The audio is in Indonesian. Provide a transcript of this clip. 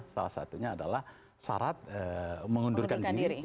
salah satunya adalah syarat mengundurkan diri